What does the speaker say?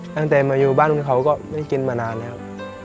ตั้งแต่มาอยู่บ้านเขาก็ไม่ได้กินมานานแล้วครับ